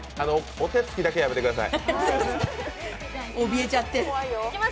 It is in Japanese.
お手つきだけはやめてください。